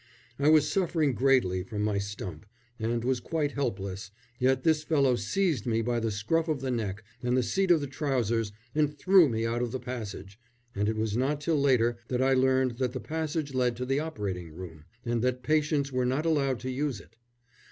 I was suffering greatly from my stump, and was quite helpless; yet this fellow seized me by the scruff of the neck and the seat of the trousers and threw me out of the passage and it was not till later that I learned that the passage led to the operating room, and that patients were not allowed to use it.